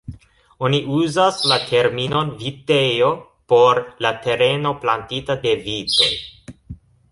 Oni uzas la terminon vitejo por la tereno plantita de vitoj.